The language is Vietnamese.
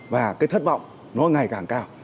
và cái thất vọng nó ngày càng cao